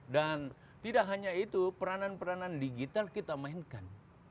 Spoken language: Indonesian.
dan tidak hanya itu peranan peranan digital kita mainkan